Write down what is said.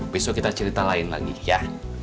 besok kita cerita lain lagi ya